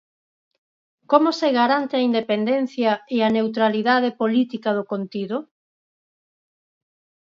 Como se garante a independencia e a neutralidade política do contido?